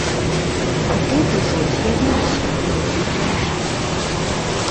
А тут ужо з'явіліся аднекуль жанчыны.